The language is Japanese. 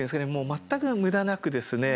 全く無駄なくですね